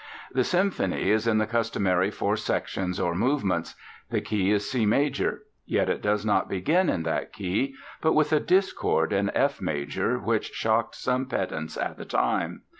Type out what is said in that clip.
The symphony is in the customary four sections or movements. The key is C major. Yet it does not begin in that key, but with a discord in F major which shocked some pedants at the time.